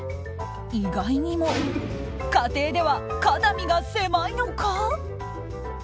意外にも家庭では肩身が狭いのか？